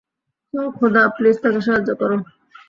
ওহ খোদা, প্লিজ তাকে সাহায্য করো।